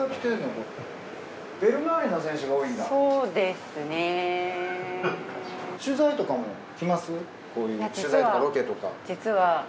こういう取材とかロケとか。